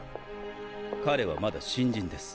彼はまだ新人です。